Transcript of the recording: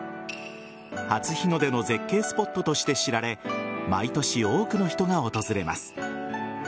初日の出の絶景スポットとして知られ毎年、多くの人が訪れます。